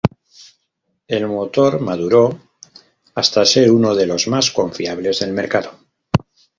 El motor maduró hasta ser uno de los más confiables del mercado.